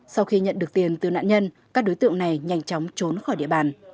sau khi nhận được tiền từ nạn nhân các đối tượng này nhanh chóng trốn khỏi địa bàn